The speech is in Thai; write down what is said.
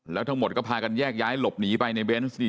แล้วทั้งหมดก็พากันแยกย้ายหลบหนีไปในเบนส์